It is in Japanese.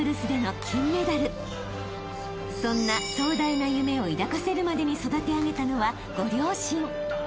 ［そんな壮大な夢を抱かせるまでに育て上げたのはご両親］